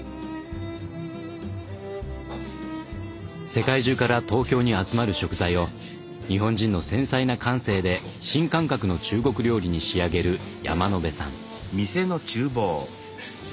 世界中から東京に集まる食材を日本人の繊細な感性で新感覚の中国料理に仕上げる山野辺さん。